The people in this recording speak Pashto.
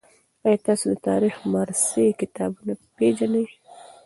آیا تاسي د تاریخ مرصع کتاب پېژنئ؟